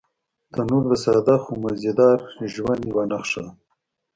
تنور د ساده خو مزيدار ژوند یوه نښه ده